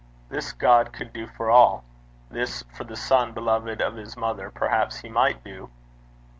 This God could do for all: this for the son beloved of his mother perhaps he might do!